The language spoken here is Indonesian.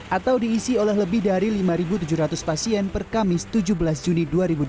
atau diisi oleh lebih dari lima tujuh ratus pasien per kamis tujuh belas juni dua ribu dua puluh